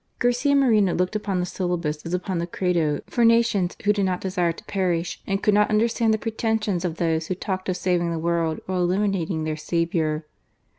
Garcia Moreno looked upon the Syllabus as upon the Credo for nations who did not desire to perish, and could not understand the pretensions of those who talked of saving the world while eliminating their Saviour.